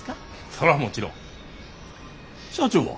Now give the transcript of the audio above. それはもちろん。社長は？